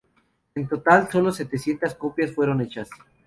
En total, solo setecientas copias fueron hechas.